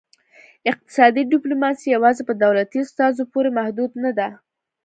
اقتصادي ډیپلوماسي یوازې په دولتي استازو پورې محدوده نه ده